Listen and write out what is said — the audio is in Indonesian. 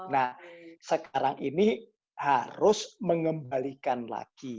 nah sekarang ini harus mengembalikan lagi